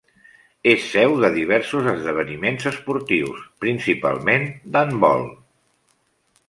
És seu de diversos esdeveniments esportius, principalment d'handbol.